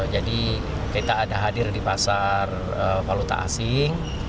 jadi kita ada hadir di pasar waluta asing